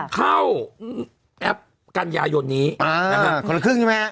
เข้ากันยายนนี้คนละครึ่งใช่ไหม